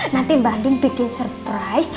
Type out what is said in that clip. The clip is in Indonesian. nanti mbak ding bikin surprise